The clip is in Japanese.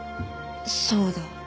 そうだ。